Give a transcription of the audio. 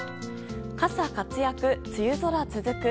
傘活躍、梅雨空続く。